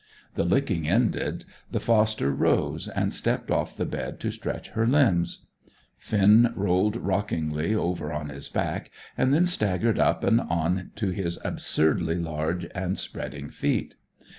The licking ended, the foster rose, and stepped off the bed to stretch her limbs. Finn rolled rollickingly over on his back, and then staggered up and on to his absurdly large and spreading feet.